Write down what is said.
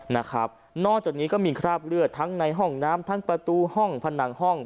นอกจากนี้ก็มีคราบเลือดทั้งในห้องน้ำทั้งประตูห้องผนังห้อง